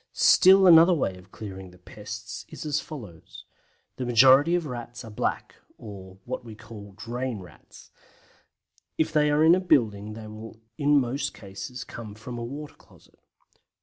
Still another way of clearing the pests is as follows: The majority of Rats are Black, or what we call Drain Rats; if they are in a building they will in most cases come from a water closet.